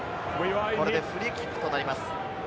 これでフリーキックになります。